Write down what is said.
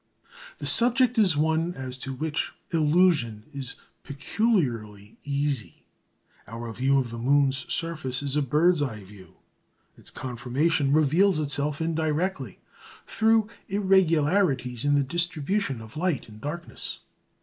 The subject is one as to which illusion is peculiarly easy. Our view of the moon's surface is a bird's eye view. Its conformation reveals itself indirectly through irregularities in the distribution of light and darkness.